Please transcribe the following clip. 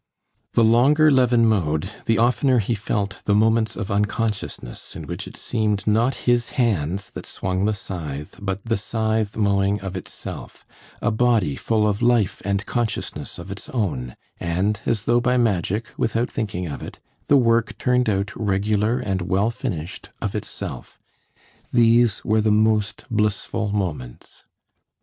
The longer Levin mowed, the oftener he felt the moments of unconsciousness in which it seemed not his hands that swung the scythe, but the scythe mowing of itself, a body full of life and consciousness of its own, and as though by magic, without thinking of it, the work turned out regular and well finished of itself. These were the most blissful moments.